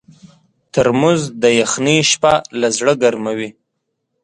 ترموز د یخنۍ شپه له زړه ګرمووي.